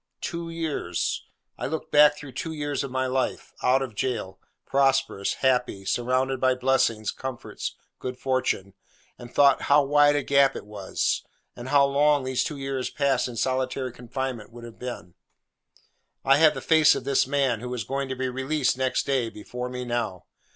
Two years! I looked back through two years of my own life—out of jail, prosperous, happy, surrounded by blessings, comforts, good fortune—and thought how wide a gap it was, and how long those two years passed in solitary captivity would have been. I have the face of this man, who was going to be released next day, before me now.